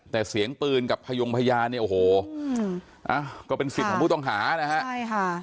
แต่เสียงปืนกับพยงพยานเนี่ยโอ้โหก็เป็นสิทธิ์ของผู้ต้องหานะฮะใช่ค่ะ